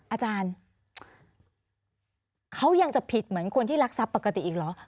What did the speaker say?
อาจารย์เขายังจะผิดเหมือนคนที่รักทรัพย์ปกติอีกเหรอ